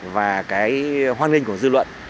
và cái hoan nghênh của dư luận